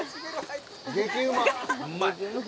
激うま。